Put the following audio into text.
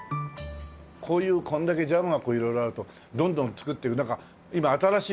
こういうこれだけジャムが色々あるとどんどん作っていくなんか今新しいの考えてます？